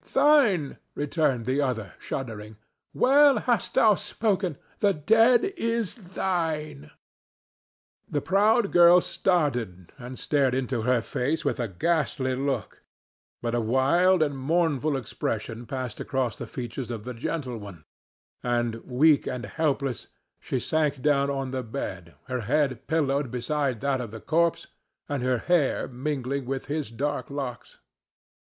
"Thine!" returned the other, shuddering. "Well hast thou spoken; the dead is thine." The proud girl started and stared into her face with a ghastly look, but a wild and mournful expression passed across the features of the gentle one, and, weak and helpless, she sank down on the bed, her head pillowed beside that of the corpse and her hair mingling with his dark locks.